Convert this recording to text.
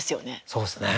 そうですね。